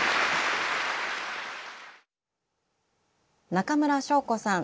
中村祥子さん